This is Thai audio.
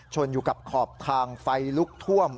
อยู่กับขอบทางไฟลุกท่วม